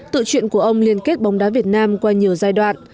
tự chuyện của ông liên kết bóng đá việt nam qua nhiều giai đoạn